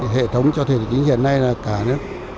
hệ thống cho thuê tài chính hiện nay là cả nước